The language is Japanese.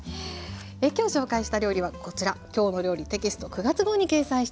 今日紹介した料理はこちら「きょうの料理」テキスト９月号に掲載しています。